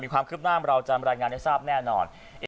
ความคืบหน้าเราจะรายงานให้ทราบแน่นอน